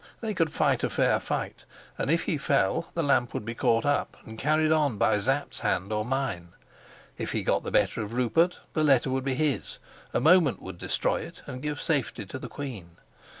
They could fight a fair fight, and if he fell the lamp would be caught up and carried on by Sapt's hand or mine; if he got the better of Rupert, the letter would be his; a moment would destroy it and give safety to the queen.